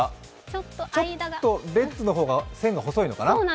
ちょっとレッズの方が線が細いのかな。